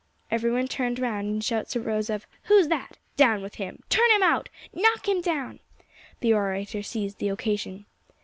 Every one turned round, and shouts arose of "Who is that?" "Down with him!" "Turn him out!" "Knock him down!" The orator seized the occasion.